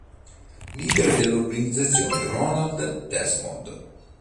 Leader dell’organizzazione: Roland Desmond.